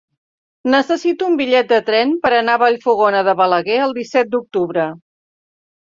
Necessito un bitllet de tren per anar a Vallfogona de Balaguer el disset d'octubre.